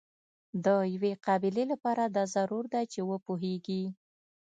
د یوې قابلې لپاره دا ضرور ده چې وپوهیږي.